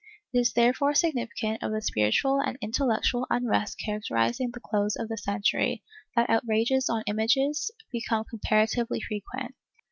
It is therefore significant of the spiritual and intellectual unrest characterizing the close of the century, that outrages on images became comparatively frequent.